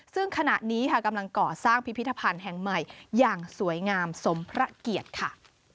ซึ่งขณะนี้ค่ะกำลังก่อสร้างพิพิธภัณฑ์แห่งใหม่อย่างสวยงามสมพระเกียรติค่ะ